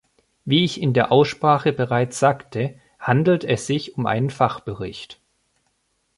Wie ich in der Aussprache bereits sagte, handelt es sich um einen Fachbericht.